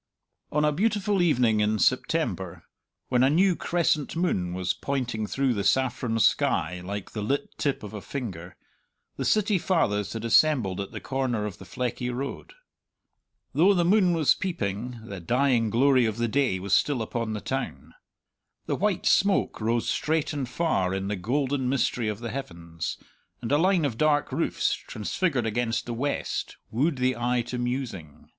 On a beautiful evening in September, when a new crescent moon was pointing through the saffron sky like the lit tip of a finger, the City Fathers had assembled at the corner of the Fleckie Road. Though the moon was peeping, the dying glory of the day was still upon the town. The white smoke rose straight and far in the golden mystery of the heavens, and a line of dark roofs, transfigured against the west, wooed the eye to musing.